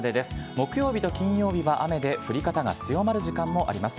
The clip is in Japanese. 木曜日と金曜日は雨で、降り方が強まる時間もあります。